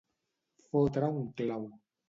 Fotre un clau.